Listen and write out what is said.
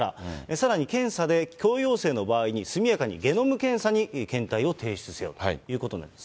さらに検査で強陽性の場合に速やかにゲノム検査に検体を提出せよということになります。